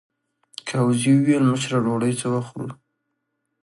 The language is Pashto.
ګاووزي وویل: مشره ډوډۍ څه وخت خورو؟